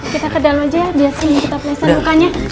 kita ke dalam aja ya biar kita peleset rupanya